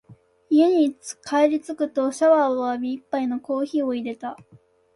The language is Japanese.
家に帰りつくとシャワーを浴び、一杯のコーヒーを淹れた。